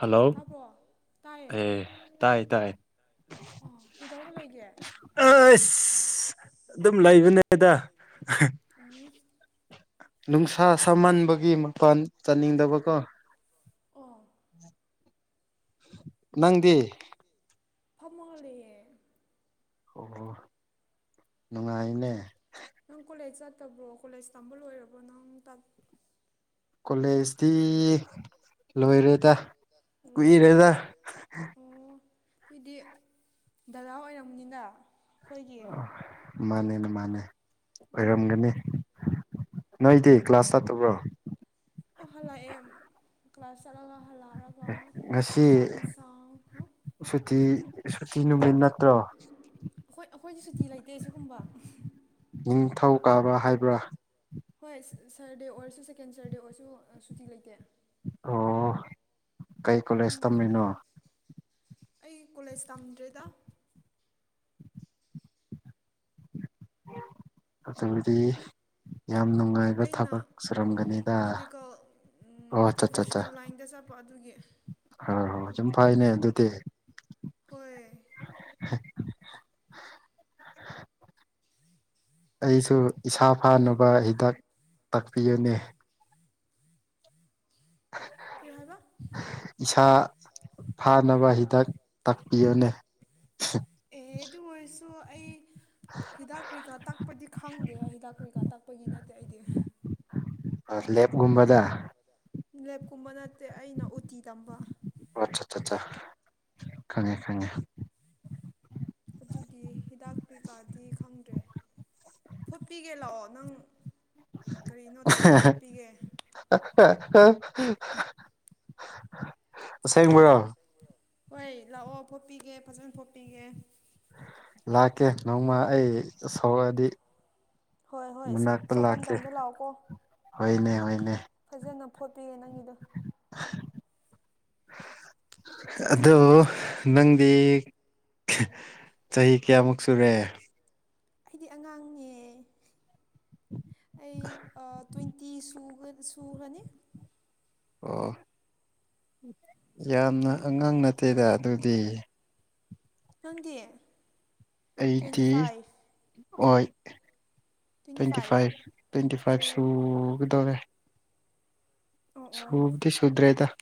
Hello ꯇꯥꯕ꯭ꯔꯣ ꯇꯥꯏꯌꯦ ꯑꯦ ꯇꯥꯏ ꯇꯥꯏ ꯑꯣ ꯀꯩꯗꯧꯔꯒ ꯂꯩꯒꯦ ꯑꯁ ꯑꯗꯨꯝ ꯂꯩꯕꯅꯦꯗ꯫ ꯑꯣ ꯅꯨꯡꯁꯥ ꯁꯃꯟꯕꯒꯤ ꯃꯄꯥꯟ ꯆꯠꯅꯤꯡꯗꯕ ꯀꯣ꯫ ꯑꯣ ꯅꯪꯗꯤ ꯐꯝꯃꯒ ꯂꯩꯌꯦ ꯑꯣ ꯅꯨꯡꯉꯥꯏꯅꯦ꯫ ꯅꯪ ꯀꯣꯂꯦꯖ ꯆꯠꯇꯕ꯭ꯔꯣ ꯀꯣꯂꯦꯖ ꯇꯝꯕ ꯂꯣꯏꯔꯕꯣ ꯅꯪ ꯀꯣꯂꯦꯖꯇꯤ ꯂꯣꯏꯔꯦꯗ ꯎꯝ ꯀꯨꯏꯔꯦꯗ ꯑꯣ ꯑꯗꯨꯗꯤ ꯗꯥꯗ ꯑꯣꯏꯔꯝꯅꯤꯅ ꯑꯩꯈꯣꯏꯒꯤ ꯃꯥꯅꯦ ꯃꯥꯅꯦ ꯎꯝ ꯑꯣꯏꯔꯝꯒꯅꯤ ꯅꯣꯏꯗꯤ ꯀ꯭ꯂꯥꯁ ꯆꯠꯇꯕ꯭ꯔꯣ ꯍꯜꯂꯛꯑꯦ ꯀ꯭ꯂꯥꯁ ꯆꯠꯂꯒ ꯍꯜꯂꯛꯑꯒ ꯉꯁꯤ ꯆꯥꯡꯁꯥꯡꯈ ꯁꯨꯇꯤ ꯁꯨꯇꯤ ꯅꯨꯃꯤꯠ ꯅꯠꯇ꯭ꯔꯣ ꯑꯩꯈꯣꯏ ꯑꯩꯈꯣꯏꯗꯤ ꯁꯨꯇꯤ ꯂꯩꯇꯦ ꯁꯤꯒꯨꯝꯕ ꯅꯤꯡꯊꯧ ꯀꯥꯕ ꯍꯥꯏꯕ꯭ꯔꯥ ꯍꯣꯏ ꯁꯔꯗꯦ ꯑꯣꯏꯔꯁꯨ ꯁꯦꯀꯦꯟ ꯁꯔꯗꯦ ꯑꯣꯏꯔꯁꯨ ꯁꯨꯇꯤ ꯂꯩꯇꯦ ꯑꯣ ꯀꯩ ꯑꯗꯨꯝ ꯀꯣꯂꯦꯖ ꯇꯝꯃꯤꯅꯣ꯫ ꯑꯩ ꯀꯣꯂꯦꯖ ꯇꯝꯗ꯭ꯔꯦꯗ ꯑꯗꯨꯕꯨꯗꯤ ꯌꯥꯝ ꯅꯨꯡ ꯑꯩꯅ ꯃꯦꯗꯤꯀꯦꯜ ꯑꯣ ꯆꯠ ꯄ꯭ꯔꯣꯐꯦꯁꯅꯦꯜ ꯂꯥꯏꯟꯗ ꯆꯠꯄ ꯑꯗꯨꯒꯤ ꯑ ꯍꯣ ꯁꯨꯝ ꯐꯩꯅꯦ ꯑꯗꯨꯗꯤ ꯍꯣꯏ ꯑꯩꯁꯨ ꯏꯁꯥ ꯐꯥꯅꯕ ꯍꯤꯗꯥꯛ ꯇꯥꯛꯄꯤꯒꯅꯤ ꯀꯩ ꯍꯥꯏꯕ ꯏꯁꯥ ꯐꯥꯅꯕ ꯍꯤꯗꯥꯛ ꯇꯥꯛꯄꯤꯌꯨꯅꯦ꯫ ꯑꯦ ꯑꯗꯨ ꯑꯣꯏꯔꯁꯨ ꯑꯩ ꯍꯤꯗꯥꯛ ꯀ꯭ꯔꯤꯀꯥ ꯇꯥꯛꯄꯗꯤ ꯈꯪꯗꯦ ꯍꯤꯗꯥꯛ ꯀ꯭ꯔꯤꯀꯥ ꯇꯥꯛꯄꯒꯤ ꯅꯠꯇꯦ ꯑꯩꯗꯤ꯫ ꯑ ꯂꯦꯞꯒꯨꯝꯕꯗ ꯂꯦꯞꯀꯨꯝꯕ ꯅꯠꯇꯦ ꯑꯩꯅ ꯎꯇꯤ ꯇꯝꯕ꯫ ꯑꯠ ꯈꯪꯉꯦ ꯈꯪꯉꯦ ꯑꯗꯨꯒꯤ ꯍꯤꯗꯥꯛ ꯀꯩꯀꯥꯗꯤ ꯈꯪꯗ꯭ꯔꯦ ꯐꯣꯠꯄꯤꯒꯦ ꯂꯥꯛꯑꯣ ꯅꯪ ꯀꯔꯤꯅꯣ ꯇꯧꯗꯤ ꯐꯣꯠꯄꯤꯒꯦ ꯑꯁꯦꯡꯕꯔ ꯍꯣꯏ ꯂꯥꯛꯑꯣ ꯐꯣꯄꯤꯒꯦ ꯐꯖꯅ ꯐꯣꯄꯤꯒꯦ ꯂꯥꯛꯀꯦ ꯅꯣꯡꯃ ꯑꯩ ꯁꯧꯔꯛꯑꯗꯤ꯫ ꯍꯣꯏ ꯍꯣꯏ ꯃꯅꯥꯛꯇ ꯁꯣꯛꯄ ꯂꯥꯛꯀꯦ ꯃꯇꯝꯗ ꯂꯥꯛꯑꯣꯀꯣ ꯍꯣꯏꯅꯦ ꯍꯣꯏꯅꯦ ꯐꯖꯅ ꯐꯣꯠꯄꯤꯌꯦ ꯅꯪꯒꯤꯗꯣ [inaudible] ꯑꯣ ꯅꯪꯗꯤ ꯆꯍꯤ ꯀꯌꯥꯃꯨꯛ ꯁꯨꯔꯦ ꯑꯩ ꯑꯉꯥꯡꯅꯦ ꯑ ꯇ꯭ꯋꯦꯟꯇꯤ ꯁꯨꯒ ꯁꯨꯍꯥꯅꯤ꯫ ꯑꯣ ꯌꯥꯝꯅ ꯑꯉꯥꯡ ꯅꯠꯇꯦꯗ ꯑꯗꯨꯗꯤ ꯈꯥꯪꯡꯗꯤꯌꯦ ꯑꯩꯗꯤ ꯑꯣꯏ ꯇ꯭ꯋꯦꯟꯇꯤ ꯐꯥꯏꯚ ꯇ꯭ꯋꯦꯟꯇꯤ ꯐꯥꯏꯚ ꯑꯣ ꯁꯨꯒꯗꯧꯔꯦ ꯑꯣ ꯑꯣ ꯁꯨꯕꯗꯤ ꯁꯨꯗ꯭ꯔꯦꯗ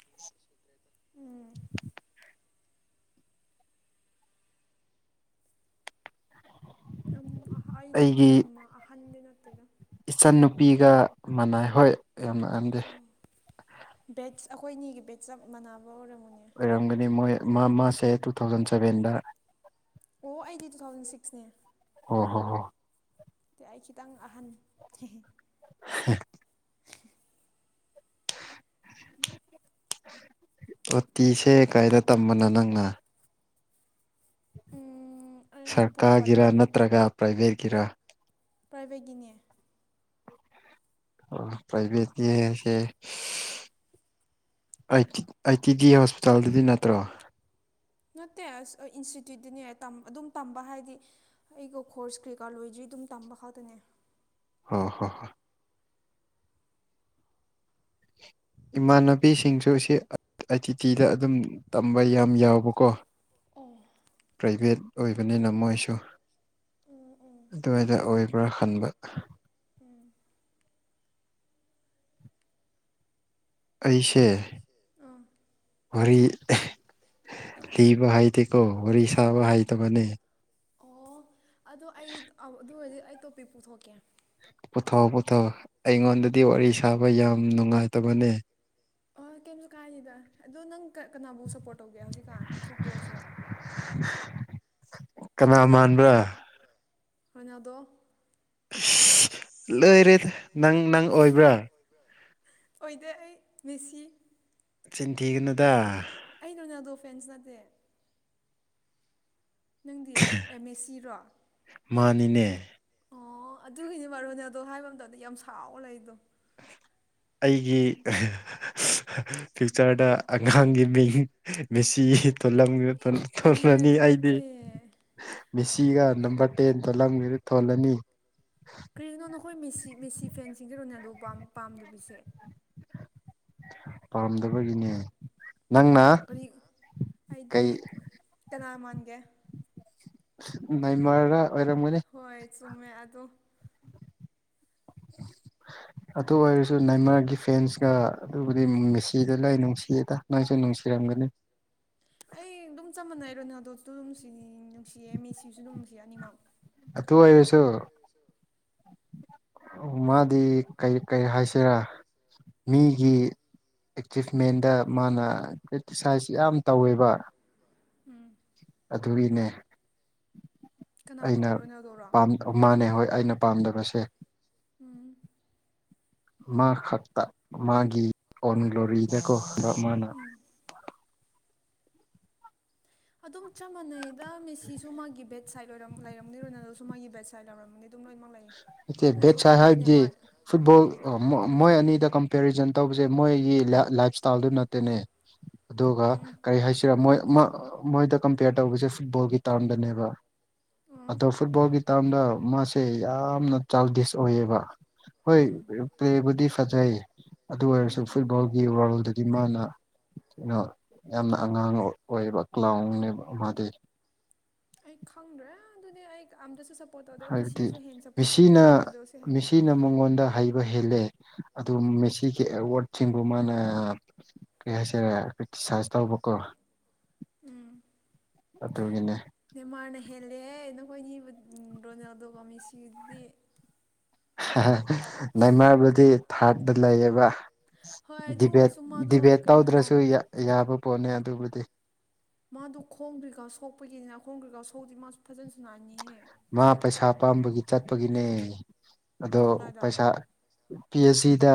ꯎꯝ ꯌꯥꯝ ꯑꯩꯗꯒꯤ ꯌꯥꯝ ꯑꯍꯟꯗꯤ ꯅꯠꯇꯦꯗ ꯏꯆꯟꯟꯅꯨꯄꯤꯒ ꯃꯅꯥꯏ ꯍꯣꯏ ꯌꯥꯝ ꯥꯛꯑꯟꯗꯦ ꯑꯣ ꯕꯦꯠꯁ ꯑꯩꯈꯣꯏ ꯑꯅꯤꯒꯤ ꯕꯦꯠꯁꯞ ꯃꯥꯟꯅꯕ ꯑꯣꯏꯔꯝꯃꯨꯅꯦ ꯑꯣꯏꯔꯝꯒꯅꯤ ꯃꯣꯏ ꯃꯥ ꯃꯥꯁꯦ ꯇꯨ ꯊꯥꯎꯖꯟ ꯁꯕꯦꯟꯗ ꯑꯣ ꯑꯩꯗꯤ ꯇꯨ ꯊꯥꯎꯖꯟ ꯁꯤꯛꯁꯅꯦ ꯑꯣ ꯍꯣ ꯍꯣ ꯑꯩ ꯈꯤꯇꯪ ꯑꯍꯟ ꯎ ꯎꯇꯤꯁꯦ ꯀꯥꯏꯗ ꯇꯝꯕꯅꯣ ꯅꯪꯅ ꯎꯝ ꯑꯩ ꯄꯣꯔꯣꯝꯄꯥꯠꯇ ꯁꯔꯀꯥꯔꯒꯤꯔ ꯇꯝ ꯅꯠꯇ꯭ꯔꯒ ꯄ꯭ꯔꯥꯏꯚꯦꯠꯀꯤꯔ ꯄ꯭ꯔꯥꯏꯚꯦꯠꯀꯤꯅꯦ ꯑꯣ ꯄ꯭ꯔꯥꯏꯚꯦꯠꯅꯤꯁꯦ ꯑꯩ ꯇꯤ ꯗꯤ ꯍꯣꯁꯄꯤꯇꯥꯜꯗꯗꯤ ꯅꯠꯇ꯭ꯔꯣ ꯅꯠꯇꯦ ꯑꯁ ꯏꯟꯁꯇꯤꯇ꯭ꯌꯨꯠꯇꯨꯅꯦ ꯑꯗꯨꯝ ꯇꯝꯕ ꯍꯥꯏꯗꯤ ꯑꯩꯒꯣ ꯈꯣꯔꯁ ꯀ꯭ꯔꯤꯀꯥꯔꯠ ꯂꯣꯏꯗ꯭ꯔꯤ ꯑꯗꯨꯝ ꯇꯝꯕ ꯈꯥꯛꯛꯇꯅꯦ ꯑꯣ ꯍꯣ ꯍ ꯏꯃꯥꯟꯅꯕꯤꯁꯤꯡꯁꯨ ꯁꯤ ꯑꯥꯏ ꯇꯤ ꯇꯤꯗ ꯑꯗꯨꯝ ꯇꯝꯕ ꯌꯥꯝ ꯌꯥꯎꯕꯀꯣ ꯑꯣ ꯄ꯭ꯔꯥꯏꯚꯦꯠ ꯑꯣꯏꯕꯅꯤꯅ ꯃꯣꯏꯁꯨ ꯎꯝ ꯎꯝ ꯑꯗꯨꯋꯥꯏꯗ ꯑꯣꯏꯕ꯭ꯔꯥ ꯈꯟꯕꯔ ꯎꯝ ꯑꯩꯁꯦ ꯑꯥ ꯋꯥꯔꯤ ꯂꯤꯕ ꯍꯩꯇꯦꯀꯣ ꯋꯥꯔꯤ ꯁꯥꯥꯕ ꯍꯩꯇꯕꯅꯤ ꯑꯣ ꯑꯗꯣ ꯑꯩ ꯑꯗꯨ ꯑꯣꯏꯔꯗꯤ ꯑꯩ ꯇꯣꯄꯤꯛ‌ ꯄꯨꯊꯣꯛꯀꯦ ꯄꯨꯊꯣꯛꯑꫭ ꯄꯨꯊꯣꯛꯑꫭ ꯑꯩꯉꯣꯟꯗꯗꯤ ꯋꯥꯔꯤ ꯁꯥꯕ ꯌꯥꯝ ꯅꯨꯡꯉꯥꯏꯇꯕꯅꯦ ꯑꯣ ꯀꯩꯝꯖꯨ ꯀꯥꯏꯗꯦꯗ ꯑꯗꯣ ꯅꯪ ꯀ ꯀꯅꯥꯕꯨ ꯁꯞꯄꯣꯔꯠ ꯇꯧꯒꯦ ꯍꯧꯖꯤꯛꯀꯥꯟ ꯐꯨꯠꯕꯣꯜꯁꯦ ꯀꯅꯥ ꯃꯥꯟꯕ꯭ꯔꯥ ꯔꫭꯅꯥꯜꯗꫭ ꯏꯁ ꯂꯩꯔꯦꯗ ꯅꯪ ꯅꯪ ꯑꯣꯏꯕ꯭ꯔꯥ ꯑꯣꯏꯗꯦ ꯑꯩ ꯃꯦꯁꯤ ꯅꯆꯤꯟꯊꯤꯒꯅꯨꯗ ꯑꯩ ꯔꫭꯅꯥꯜꯗꫭ ꯐ꯭ꯔꯦꯟꯁ ꯅꯠꯇꯦ ꯅꯪꯗꯤ ꯑꯦ ꯃꯦꯁꯤꯔꯣ ꯅꯤꯅꯦ ꯑꯣ ꯑꯗꯨꯒꯤꯅꯤ ꯃꯔꯨꯅꯦ ꯑꯗꯣ ꯍꯥꯏꯕ ꯃꯇꯝꯗ ꯌꯥꯝ ꯁꯥꯎꯔ ꯂꯩꯗꯣ ꯑꯩꯒꯤ ꯐ꯭ꯌꯨꯏꯆꯔꯗ ꯑꯉꯥꯡꯒꯤ ꯃꯤꯡ ꯃꯦꯁꯤ ꯊꯣꯂꯝ ꯏ ꯇꯜꯂꯦ ꯊꯣꯜꯂꯅꯤ ꯑꯩꯗꯤ ꯇꯨꯀꯠꯆꯩꯌꯦ ꯃꯦꯁꯤꯒ ꯅꯝꯕꯔ ꯇꯦꯟꯗꯣ ꯂꯪ ꯊꯣꯜꯂꯅꯤ ꯀꯔꯤꯒꯤꯅꯣ ꯅꯈꯣꯏ ꯃꯦꯁꯤ ꯃꯦꯁꯤ ꯐꯦꯟꯁꯤꯡꯁꯦ ꯔꫭꯅꯥꯜꯗꫭ ꯄꯥꯝ ꯄꯥꯝꯗꯕꯁꯦ ꯄꯥꯝꯗꯕꯒꯤꯅꯦ ꯅꯪꯅ ꯀꯔꯤ ꯀꯩ ꯀꯅꯥꯃꯥꯟꯒꯦ ꯅꯦꯃꯥꯔꯔ ꯑꯣꯏꯔꯝꯒꯅꯤ ꯍꯣꯏ ꯆꯨꯝꯃꯦ ꯑꯗꯣ [inaudible] ꯑꯗꯨ ꯑꯣꯏꯔꯁꯨ ꯅꯦꯃꯥꯔꯒꯤ ꯐꯦꯟꯁꯀ ꯑꯗꯨꯕꯨꯗꯤ ꯃꯦꯁꯤꯗ ꯂꯣꯏ ꯅꯨꯡꯁꯤꯗ ꯅꫭꯏꯁꯨ ꯅꯨꯡꯁꯤꯔꯝꯒꯅꯤ ꯑꯩ ꯑꯗꯨꯝ ꯆꯞ ꯃꯥꯟꯅꯩ ꯔꯣꯅꯥꯜꯗꫭꯁꯨ ꯗꯨꯝꯅꯨꯡꯁꯤ ꯅꯨꯡꯁꯤꯌꯦ ꯃꯦꯁꯤꯁꯨ ꯑꯗꯨꯝ ꯅꯨꯡꯁꯤꯌꯦ ꯑꯅꯤꯃꯛ ꯑꯗꯨ ꯑꫭꯏꯔꯁꯨ ꯃꯥꯗꯤ ꯀꯩ ꯀꯩ ꯍꯥꯏꯁꯤꯔꯥ ꯃꯤꯒꯤ ꯑꯦꯆꯤꯞꯃꯦꯟꯗ ꯃꯥꯅ ꯀ꯭ꯔꯤꯇꯤꯁꯥꯏꯁ ꯌꯥꯝ ꯇꯧꯋꯦꯕ ꯎꯝ ꯑꯗꯨꯒꯤꯅꯦ ꯀꯅꯥꯅꯣ ꯑꯩꯅ ꯔꯣꯅꯥꯜꯗꫭꯔꫭ ꯄꯥꯝ ꯃꯥꯅꯦ ꯍꯣꯏ ꯑꯩꯅ ꯄꯥꯝꯗꯕꯁꯦ ꯎꯝ ꯃꯥ ꯈꯛꯇ ꯃꯥꯒꯤ ꯑꯣꯟ ꯂꯣꯔꯤꯗꯀꯣ ꯃꯥꯅ ꯎꯝ ꯑꯗꯨꯝ ꯆꯞ ꯃꯥꯟꯅꯩꯗ ꯃꯦꯁꯤꯁꯨ ꯃꯥꯒꯤ ꯕꯦꯠ ꯁꯥꯏꯠ ꯑꫭꯏꯔꯝ ꯂꯩꯔꯝꯅꯤ ꯂꯣꯅꯥꯜꯗꫭꯁꯨ ꯃꯥꯒꯤ ꯕꯦꯠ ꯁꯥꯏꯠ ꯂꯩꯔꯝꯅꯤ ꯑꯗꯨꯝ ꯂꯣꯏꯃꯛ ꯂꯩ ꯎꯝ ꯅꯠꯇꯦ ꯕꯦꯠ ꯑꯗꯨꯁꯨ ꯁꯥꯏꯠ ꯑꯩꯒꯤꯗꯤ ꯍꯥꯏꯕꯗꯤ ꯅꯦꯃꯥꯔ ꯐꯨꯠꯕꯣꯜ ꯃꯣꯏ ꯑꯅꯤꯗ ꯀꯝꯄꯦꯔꯤꯖꯟ ꯇꯧꯕꯁꯦ ꯃꯣꯏꯒꯤ ꯂꯥ ꯂꯥꯏꯞꯁ꯭ꯇꯥꯜꯗꯨ ꯅꯠꯇꯦꯅꯦ [inaudible] ꯑꯗꯨꯒ ꯎꯝ ꯀꯔꯤ ꯍꯥꯏꯁꯤꯔ ꯃꯣꯏ ꯃꯣꯏꯗ ꯀꯝꯄꯤꯌꯔ ꯇꯧꯕꯁꯦ ꯐꯨꯠꯕꯣꯜꯒꯤ ꯇꯥꯔꯝꯗꯅꯦꯕ ꯎꯝ ꯑꯗꯣ ꯐꯨꯠꯕꯣꯜꯒꯤ ꯇꯥꯝꯗ ꯃꯥꯁꯦ ꯌꯥꯝꯅ ꯆꯥꯡꯗꯤꯁ ꯑꯣꯏꯌꯦꯕ ꯎꯝ ꯍꯣꯏ ꯎꯝ ꯄ꯭ꯂꯦꯕꯨꯗꯤ ꯐꯖꯩ ꯑꯗꯨ ꯑꯣꯏꯔꯁꯨ ꯎꯝ ꯐꯨꯠꯕꯣꯜꯒꯤ ꯋꯥꯔꯜꯗ ꯗꯤ ꯃꯥꯅ ꯀꯩꯅꯣ ꯌꯥꯝꯅ ꯑꯉꯥꯡ ꯑꯣꯏꯌꯦꯕ ꯀ꯭ꯂꯥꯎꯅꯦꯕ ꯃꯥꯗꯤ ꯑꯩ ꯈꯪꯗ꯭ꯔꯦ ꯑꯗꯨꯗꯤ ꯑꯩ ꯑꯝꯇꯁꯨ ꯁꯞꯄꯣꯔꯠ ꯇꯧꯗꯦ ꯍꯥꯏꯕꯗꯤ ꯃꯤꯁꯤꯁꯨ ꯍꯦꯟ ꯁꯞꯄꯣꯔꯠ ꯇꯧꯗꯦ ꯔꫭꯅꯥꯜꯁꯨ ꯍꯦꯟ ꯑꯩꯅ ꯃꯉꯣꯟꯗ ꯍꯩꯕ ꯍꯦꯜꯂꯦ ꯑꯗꯨ ꯃꯦꯁꯤꯒꯤ ꯑꯦꯋꯥꯔꯠꯁꯤꯡꯕꯨ ꯃꯥꯅ ꯀꯩ ꯍꯥꯏꯁꯔꯦ ꯀ꯭ꯔꯤꯇꯤꯁꯥꯏꯖ ꯇꯧꯕꯀꯣ ꯎꯝ ꯑꯗꯨ ꯏꯅꯦ ꯃꯦꯟꯃꯥꯔꯅ ꯍꯦꯜꯂꯦꯍꯦ ꯅꯈꯣꯏ ꯑꯅꯤꯕꯨ ꯔꯣꯅꯥꯜꯗꯣꯒꯃꯤ ꯁꯤꯗꯨꯗꯤ ꯅꯏꯃꯔꯕꯨꯗꯤ ꯊꯥꯔꯗ ꯂꯩꯌꯦꯕ ꯍꯣꯏ ꯑꯗꯨ ꯗꯤꯕꯦꯠ ꯑꯣꯏꯔꯁꯨ ꯃꯥꯗꯣ ꯗꯤꯕꯦꯠ ꯀꯔꯤꯅꯣ ꯇꯧꯗ꯭ꯔꯁꯨ ꯌꯥꯕ ꯄꯣꯠꯅꯤ ꯑꯗꯨꯕꯨꯗꯤ ꯃꯥꯗ ꯈꯣꯡꯒ꯭ꯔꯤꯀꯥꯎ ꯁꯣꯛꯄꯒꯤꯅꯤꯅ ꯈꯣꯡꯒ꯭ꯔꯤꯀꯥꯎ ꯁꯣꯛꯁꯤꯗꯤ ꯃꯥꯁꯨ ꯐꯖꯅꯁꯨ ꯅꯥꯅꯤꯍꯦ ꯃꯥ ꯄꯩꯁꯥ ꯄꯥꯝꯕꯒꯤ ꯆꯠꯄꯒꯤꯅꯦ ꯑꯗꯣ ꯀꯗꯥꯏꯗ ꯄꯩꯁꯥ ꯄꯤ ꯑꯩꯆ ꯗ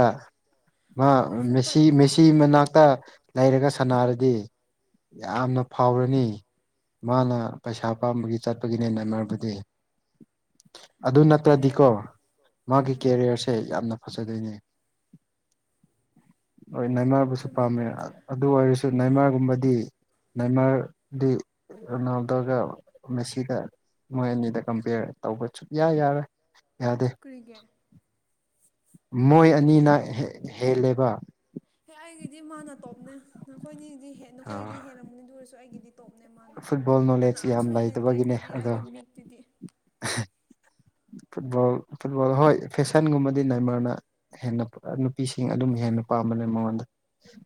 ꯑꯗꯨ ꯑꯣꯏꯔꯁꯨ ꯄꯩ ꯃꯥꯦꯁꯤꯦꯁꯤ ꯐꯤ ꯃꯅꯥꯛꯇ ꯂꯩꯔꯒ ꯁꯥꯟꯅꯔꯗꯤ ꯌꯥꯝꯅ ꯐꯥꯎꯔꯅꯤ ꯃꯥꯅ ꯄꯩꯁꯥ ꯄꯥꯝꯕꯒꯤ ꯆꯠꯄꯒꯤꯅꯦ ꯅꯃꯔꯕꯗꯤ ꯑꯗꯨ ꯍꯦ ꯅꯠꯇ꯭ꯔꯗꯤꯀꯣ ꯃꯥꯒꯤ ꯎꯝ ꯀꯦꯔꯤꯌꯔꯁꯦ ꯌꯥꯝꯅ ꯐꯖꯗꯣꯏꯅꯤ ꯨ ꯒ꯭ꯌꯥꯟ ꯃꯦꯟ ꯄꯥꯝꯃꯦ ꯇꯥꯗ꯭ꯔꯦ ꯑꯗꯨ ꯑꯣꯏꯔꯁꯨ ꯅꯥꯏꯃꯥꯒꯨꯝꯕꯗꯤ ꯅꯏꯃꯔꯗꯤ ꯔꯣꯅꯥꯜꯗꯣꯒ ꯃꯦꯁꯤꯒ ꯃꯣꯏ ꯑꯅꯤꯗ ꯀꯝꯄꯦꯌꯔ ꯇꯧꯕ ꯁꯨꯛꯌꯥ ꯌꯥꯔꯣꯏ ꯌꯥꯗꯦ ꯀꯔꯤꯒꯤ ꯃꯣꯏ ꯑꯅꯤꯅ ꯍꯦꯜꯂꯦꯕ ꯍꯦ ꯑꯩꯒꯤꯗꯤ ꯃꯥ ꯅ ꯇꯣꯞꯅꯦ ꯅꯈꯣꯏꯒꯤꯗꯤ ꯅꯈꯣꯏꯒꯤꯗꯤ ꯍꯦꯜꯂꯝꯃꯅꯤ ꯑꯗꯨ ꯑꯣꯏꯔꯁꯨ ꯑꯩꯒꯤꯗꯤ ꯇꯣꯞꯅꯦ ꯃꯥꯅ ꯐꯨꯠꯕꯣꯜ ꯅꯣꯂꯦꯖ ꯌꯥꯝ ꯀꯅꯥꯝꯁꯨ ꯍꯦꯟꯒꯦ ꯂꯩꯇꯕꯒꯤꯅꯦ ꯑꯩꯒꯤꯗꯤ ꯑꯗꯣ ꯑꯩꯒꯤ ꯃꯤꯠꯇꯨꯗꯤ ꯐꯨꯠꯕꯣꯜ ꯐꯨꯠꯕꯣꯜ ꯍꯣꯏ ꯐꯦꯁꯟꯒꯨꯝꯕꯗꯤ ꯅꯥꯏꯃꯔꯅ ꯍꯦꯟꯅ ꯅꯨꯄꯤꯁꯤꯡ ꯑꯗꯨꯝ ꯍꯦꯟꯅ ꯄꯥꯝꯕꯅꯦ ꯃꯉꯣꯟꯗ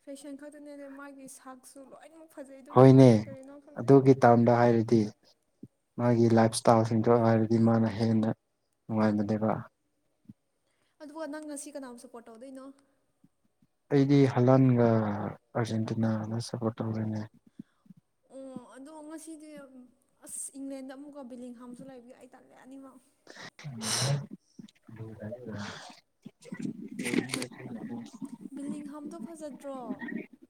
ꯐꯦꯁꯟ ꯈꯛꯇꯅꯦꯅꯦ ꯃꯥꯒꯤ ꯁꯥꯛꯁꯨ ꯂꯣꯏꯅꯃꯛ ꯐꯖꯩꯗꯣ ꯅꯨꯄꯥꯅꯦ ꯀꯔꯤꯅꯣ ꯈꯪꯗꯦ ꯇꯥꯝꯗ ꯍꯥꯏꯔꯗꯤ ꯃꯥꯒꯤ ꯂꯥꯏꯞ ꯏꯁꯇꯥꯏꯜꯁꯤꯡꯗꯣ ꯍꯥꯏꯔꯗꯤ ꯃꯥꯅ ꯍꯦꯟꯅ ꯅꯨꯡꯉꯥꯏꯕꯅꯦꯕ ꯑꯗꯨ ꯅꯪ ꯉꯁꯤ ꯀꯅꯥꯝ ꯁꯞꯄꯣꯔꯠ ꯇꯧꯗꯣꯏꯅꯣ ꯑꯩꯗꯤ ꯍꯜꯂꯥꯟꯒ ꯑꯥꯔꯖꯦꯟꯇꯤꯅꯥꯗ ꯁꯞꯄꯣꯔꯠ ꯇꯧꯖꯔꯤꯅꯦ ꯑꯣ ꯑꯗꯣ ꯉꯁꯤꯗꯤ ꯑꯁ ꯏꯪꯂꯦꯟꯗ ꯑꯃꯨꯛꯀ ꯕꯤꯂꯤꯡꯍꯥꯝꯁꯨ ꯂꯩꯕꯤꯌꯨ ꯑꯩ ꯇꯜꯂꯦꯑꯅꯤꯃꯛ [inaudible] [unintelligible] ꯕꯤꯗꯤꯡ ꯍꯥꯝꯗꯣ ꯐꯖꯗ꯭ꯔꯣ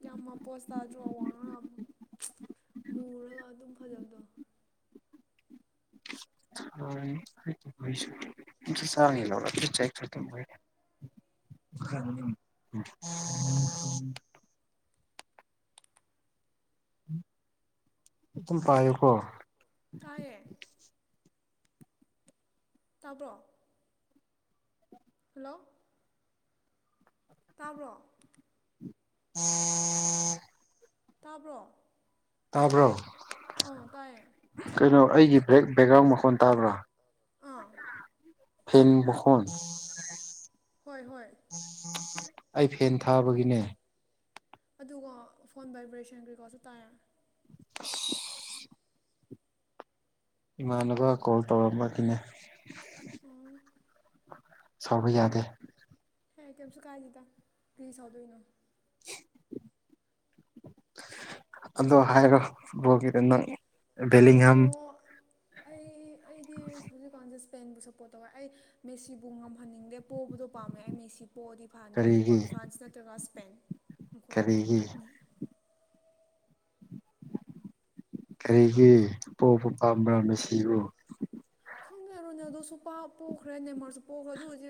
ꯌꯥꯝ ꯃꯄꯣꯁ ꯇꯥꯗ꯭ꯔꯣ ꯋꯥꯡ ꯉꯛꯑꯕ ꯃꯨꯔꯒ ꯑꯗꯨꯝ ꯐꯖꯕꯗꯣ [unintelligible] [unintelligible] ꯑꯗꯨꯝ ꯄꯥꯏꯌꯨꯀꯣ ꯇꯌꯦ ꯇꯥꯕ꯭ꯔꯣ ꯍꯜꯂꯣ ꯇꯥꯕ꯭ꯔꯣ ꯑꯣ ꯇꯥꯕ꯭ꯔꯣ ꯇꯥꯔꯕ꯭ꯔꯣ ꯑꯣ ꯇꯥꯏꯌꯦ ꯀꯩꯅꯣ ꯑꯩꯒꯤ ꯕꯦꯛ ꯕꯦꯛꯒ꯭ꯔꯥꯎꯟ ꯃꯈꯣꯟ ꯇꯥꯕ꯭ꯔꯥ ꯑꯥ ꯐꯤꯂꯝꯕꯨꯁꯣꯟ ꯍꯣꯏ ꯍꯣꯏ ꯑꯩ ꯐꯦꯟ ꯊꯥꯕꯒꯤꯅꯦ ꯑꯗꯨꯒ ꯐꯣꯟ ꯚꯏꯕ꯭ꯔꯦꯁꯟ ꯀꯩꯀꯣꯁꯨ ꯇꯥꯏꯔ [inaudible] ꯏꯃꯥꯟꯅꯕ ꯀꯣꯜ ꯇꯧꯔꯝꯃꯈꯤꯅꯦ ꯑꯣ ꯁꯥꯎꯕ ꯌꯥꯗꯦ ꯀꯔꯤ ꯀꯌꯝꯁꯨ ꯀꯥꯏꯗ‌ꯦꯗ ꯀ‌ꯩ ꯁꯥꯎꯗꯣꯏꯅꯣ ꯑꯗꯣ ꯍꯥꯏꯔ‌ꯣ ꯕ‍ꯣꯜ ꯒꯤ ꯗ‌ꯣ ꯅꯪ ꯕꯦꯂꯤꯡꯍꯝ ꯑꯗꯣ ꯑꯩ ꯑꯩꯗꯤ ꯍꯧꯖꯤꯛꯀꯥꯟꯁꯦ ꯁꯄꯦꯟꯕꯨ ꯁꯨ ꯄꯣ ꯇꯧꯋ‌ꯦ ꯑꯩ ꯃꯦꯁꯤꯕꯨ ꯉꯝꯍꯟꯅꯤꯡꯗꯦ ꯄꯣꯕꯗꯣ ꯄꯥꯝꯃꯦ ꯑꯩ ꯃꯦꯁꯤ ꯄꯣꯛꯑꯗꯤ ꯐꯥꯉꯤ ꯑꯗꯨꯒ ꯀꯔꯤꯒꯤ ꯐ꯭ꯔꯥꯟꯁ ꯅꯠꯇ꯭ꯔꯒ ꯁ꯭ꯄꯦꯟ ꯃꯈꯣꯏꯅꯤ ꯀꯔꯤꯒꯤ ꯀꯔꯤꯒꯤ ꯄꯣꯛꯄ ꯄꯥꯝꯕ꯭ꯔꯥ ꯃ‌ꯦꯁꯤꯕꯨ ꯈꯪꯉ‌ꯦ ꯔ‌ꯣꯅꯥꯜꯗꯣꯁꯨ ꯄ ꯄ‌ꯣꯈ꯭ꯔꯦ ꯅꯦꯃꯔꯁꯨ ꯄꯣꯕ ꯑꯗꯨ ꯑ‌ꯣꯏꯗꯤ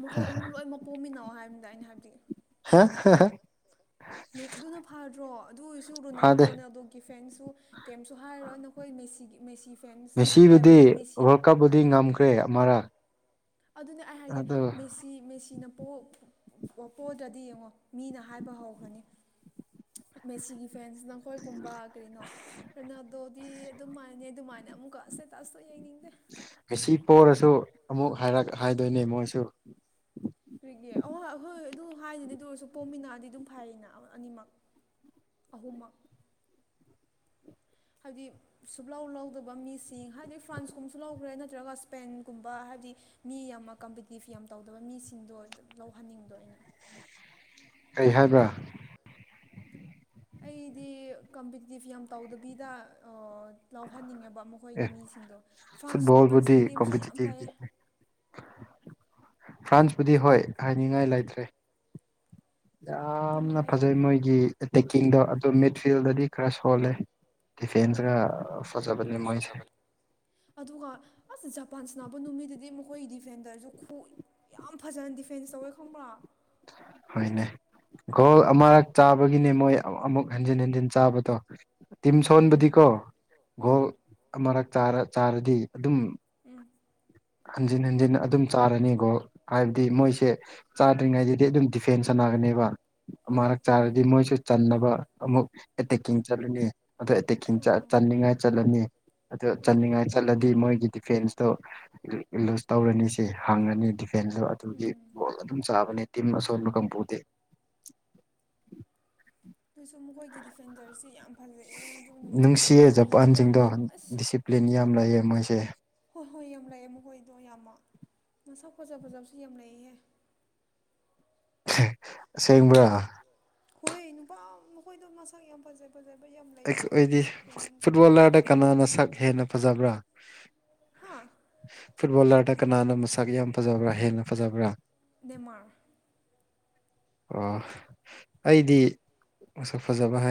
ꯃꯈꯣꯏ ꯑꯍꯨꯝ ꯂꯣꯏꯅꯃꯛ ꯄꯣꯃꯤꯟꯅꯧ ꯍꯥꯏꯝ ꯅꯤ ꯗ ꯑꯩ ꯅ ꯍꯥꯏꯕꯗꯤ ꯍ ꯍ [inaudible] ꯅꯨꯡ ꯑꯗꯨꯅ ꯐꯥꯗ꯭ꯔꯣ ꯑꯗꯨ ꯑꯣꯏꯁꯨ ꯔꯣꯅꯥꯜ ꯐꯥꯗꯦ ꯔꯣꯅꯥꯜꯗꯣꯒꯤ ꯐꯦꯟꯁꯨ ꯀꯦꯝꯁꯨ ꯍꯥꯏꯔꯣꯏ ꯅꯈꯣꯏ ꯃꯦꯁꯤ ꯃꯦꯁꯤ ꯐꯦꯟꯁ ꯃꯦꯁꯤ ꯋꯔꯥꯜ ꯀꯞ ꯕꯨꯗꯤ ꯉꯝ ꯈꯔ‌ꯦ ꯑꯃꯔꯥ ꯑꯗꯨꯅꯦ ꯑꯩ ꯍꯥꯏꯒꯦ ꯃꯦꯁꯤ ꯃꯦꯁꯤꯅ ꯄ‌ꯣ ꯄꯣꯗ꯭ꯔꯗꯤ ꯌꯦꯡꯉꯣ ꯃꯤꯅ ꯍꯥꯏꯕ ꯍꯧꯒꯅꯤ ꯃꯦꯁꯤꯒꯤ ꯐꯦꯟꯁ ꯅꯈꯣꯏꯒꯨꯝꯕ ꯀꯩꯅꯣ ꯔꯦꯅꯥꯜꯗꯣ ꯗꯤ ꯑꯗꯨ ꯃꯥꯏꯅꯦ ꯑꯗꯨꯃꯥꯏꯅ ꯑꯃꯨꯛꯀ ꯁ꯭ꯇꯦꯇꯁꯇꯣ ꯌꯦꯡꯅꯤꯡꯗꯦ ꯃ‌ꯦꯁꯤ ꯄ‌ꯣꯔꯁꯨ ꯑꯃꯨꯛ ꯍꯥꯏꯔꯛ ꯍꯥꯏꯗꯣꯏꯅꯦ ꯃꯣꯏꯁꯨ ꯀꯔꯤꯒꯤ ꯑꯣꯏ ꯍꯣꯏ ꯑꯗꯨ ꯍꯥꯏꯅꯤ ꯑꯗꯨ ꯑꯣꯏꯔꯁꯨ ꯄꯣꯃꯤꯟꯅꯔꯗꯤ ꯑꯗꯨꯝ ꯐꯩꯌꯦꯅ ꯑꯅꯤꯃꯛ ꯑꯍꯨ ꯃꯛ ꯍꯥꯏꯗꯤ ꯁꯨꯛꯂꯥꯎ ꯂꯧꯗꯕ ꯃꯤꯁꯤꯡ ꯍꯥꯏꯗꯤ ꯐ꯭ꯔꯥꯟꯁꯀꯨꯝꯕꯁꯨ ꯂꯧꯈ꯭ꯔꯦ ꯅꯠꯇ꯭ꯔꯒ ꯁ꯭ꯄꯦꯟꯒꯨꯝꯕ ꯍꯥꯏꯕꯗꯤ ꯃꯤ ꯌꯥꯝ ꯀꯝꯄꯤꯇꯤꯞ ꯌꯥꯝ ꯇꯧꯗꯕ ꯃꯤꯁꯤꯡꯗꯣ ꯑꯗꯨꯝ ꯂꯧꯍꯟꯅꯤꯡꯗꯣ ꯑꯩꯅ ꯀꯩ ꯍꯥꯏꯕ ꯑꯩꯗꯤ ꯀꯝꯄꯤꯇꯤꯇꯤꯞ ꯌꯥꯝ ꯇꯧꯗꯕꯤꯗ ꯂꯧꯍꯟꯅꯤꯡꯉ‌ꯦꯕ ꯑꯦ ꯃꯈꯣꯏꯒꯤ ꯃꯤꯁꯤꯡꯗꯣ ꯐ꯭ꯔꯥꯟꯁ ꯐꯨꯠꯕꯣꯜꯕꯨꯗꯤ ꯐ꯭ꯔꯥꯟꯁꯀꯤ ꯇꯤꯝꯁꯨ ꯌꯥꯝ ꯀꯣꯝꯄꯤꯇꯤꯇꯤꯞ ꯐꯩꯌꯦ ꯐ꯭ꯔꯥꯟꯁꯄꯨꯗꯤ ꯍꯣꯏ ꯍꯥꯏꯅꯤꯡꯉꯥꯏ ꯂꯩꯇ꯭ꯔꯦ ꯌꯥꯝ ꯌꯥꯝꯅ ꯍꯩꯌꯦ ꯐꯖꯩ ꯃꯣꯏꯒꯤ ꯇꯦꯛꯀꯤꯡꯗꯣ ꯑꯗꯨ ꯃꯤꯗ ꯐꯤꯜꯗꯗꯤ ꯈꯔ ꯁꯣꯜꯂꯦ [unintelligible] ꯑ ꯃꯣꯏꯁꯦ ꯐꯖꯕꯅ‌ꯦ ꯑꯗꯨꯒ ꯑꯁ ꯖꯄꯥꯟ ꯁꯥꯟꯅꯕ ꯅꯨꯃꯤꯠꯗꯨꯗꯤ ꯃꯈꯣꯏꯒꯤ ꯗꯤꯐꯦꯟꯗꯔꯖꯨ ꯈꯨꯏ ꯌꯥꯝ ꯐꯖꯅ ꯗꯤꯐꯦꯟꯁ ꯇꯧꯋꯦ ꯈꯪꯕ꯭ꯔꯥ ꯍꯣꯏꯅꯦ ꯒꯣꯜ ꯑꯃꯔꯛ ꯆꯥꯕꯒꯤꯅꯦ ꯃꯣꯏ ꯑꯃꯨꯛ ꯍꯟꯖꯤꯟ ꯍꯟꯖꯤꯟ ꯆꯥꯕꯗꯣ ꯇꯤꯝ ꯎꯝ ꯁꯣꯟꯕꯗꯤꯀꯣ ꯎꯝ ꯒꯣꯜ ꯑꯃꯔꯛ ꯆꯥꯔ ꯆꯥꯔꯗꯤ ꯑꯗꯨꯝ ꯎꯝ ꯍꯟꯖꯤꯟ ꯍꯟꯖꯤꯟ ꯑꯗꯨꯝ ꯆꯥꯔꯅꯤ ꯒ‌ꯣꯜ ꯫ ꯍꯥꯏꯕꯗꯤ ꯎꯝ ꯃꯣꯏꯁꯦ ꯆꯥꯗ꯭ꯔꯤꯉꯩꯗꯗꯤ ꯑꯗꯨꯝ ꯗꯤꯐꯦꯟꯁ ꯁꯥꯟꯅꯒꯅꯦꯕ ꯑꯥ ꯃꯔꯛ ꯆꯥꯔꯗꯤ ꯃꯣꯏꯁꯨ ꯆꯟꯅꯕ ꯑꯃꯨꯛ ꯑꯦꯇꯦꯛꯀꯤꯡ ꯆꯠꯂꯅꯤ ꯑꯗꯨ ꯑꯦꯇꯦꯛꯀꯤꯡ ꯆꯅꯤꯡꯉꯥꯏ ꯆꯠꯂꯅꯤ ꯑꯗꯨ ꯑꯥ ꯆꯠꯅꯤꯡꯉꯥꯏ ꯆꯠꯂꯗꯤ ꯃꯣꯏꯒꯤ ꯗꯤꯐꯦꯟꯁꯇꯣ ꯂꯨꯁ ꯇꯧꯔꯅꯤ ꯁ‌ꯦ ꯍꯪꯉꯥꯅꯤ ꯗꯤꯐꯦꯟꯁꯇꯣ ꯑꯗꯨꯒꯤ ꯕꯣꯜ ꯑꯗꯨꯝ ꯆꯥꯕꯅꯦ ꯇꯤꯝ ꯑꯁꯣꯟꯕ ꯀꯝ ꯄꯨꯗ‌ꯦ꯫ [inaudible] ꯑꯗꯨꯁꯨ ꯃꯈꯣꯏꯒꯤ ꯗꯤꯐꯦꯟꯗꯔꯁꯦ ꯌꯥꯝ ꯐꯖꯑꯦ ꯑꯗꯨ ꯅꯨꯃꯤꯠꯇꯣ ꯌꯥꯝ ꯑꯁ ꯕꯔ‌ꯦꯟ ꯌꯥꯝ ꯂꯩꯌꯦ ꯃꯣꯏꯁꯦ ꯍꯣꯏ ꯍꯣꯏ ꯌꯥꯝ ꯂꯩꯑꯦ ꯃꯈꯣꯏꯗꯣ ꯌꯥꯝꯃ ꯃꯁꯛ ꯐꯖ ꯐꯖꯕꯁꯨ ꯌꯥꯝ ꯂꯩꯍꯦ ꯑꯁꯦꯡꯕ꯭ꯔꯥ ꯍꯣꯏ ꯅꯨꯄꯥꯃꯈꯣꯏꯗꯣ ꯃꯁꯛ ꯌꯥꯝ ꯐꯖꯩ ꯐꯖꯕ ꯌꯥꯝ ꯂꯩꯌꯦ ꯑꯩꯈꯣꯏꯗꯤ ꯌꯦꯡꯕ ꯃꯇꯝꯗ ꯐꯨꯠꯕꯣꯂꯔꯗ ꯀꯅꯥꯅ ꯁꯛ ꯍꯦꯟꯅ ꯐꯖꯕ꯭ꯔꯥ ꯍꯥꯥ ꯐꯨꯠꯕꯣꯂꯥꯔꯗ ꯀꯅꯥꯅ ꯃꯁꯛ ꯌꯥꯝ ꯐꯖꯕ꯭ꯔꯥ ꯍꯦꯟꯅ ꯐꯖꯕ꯭ꯔꯥ ꯅꯦꯃꯥꯔ ꯑꯣ ꯑꯩꯗꯤ ꯃꯁꯛ ꯐꯖꯕ ꯍꯥꯏ